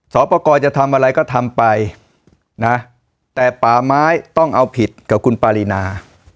สอบประกอบจะทำอะไรก็ทำไปนะแต่ป่าไม้ต้องเอาผิดกับคุณปารีนา